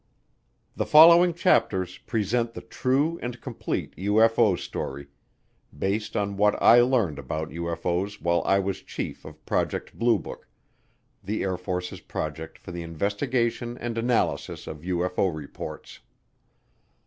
The following chapters present the true and complete UFO story, based on what I learned about UFO's while I was chief of Project Blue Book, the Air Force's project for the investigation and analysis of UFO reports.